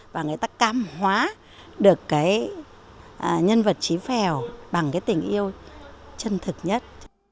và người ta cam hóa được cái nhân vật trí pheo bằng cái tình yêu chân thực nhất